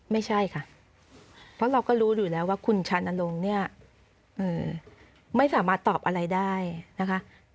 ไม่ใช่ค่ะเพราะเราก็รู้อยู่แล้วว่าคุณชานลงเนี่ยไม่สามารถตอบอะไรได้นะคะ